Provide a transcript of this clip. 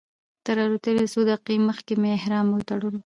تر الوتنې څو دقیقې مخکې مې احرام وتړلو.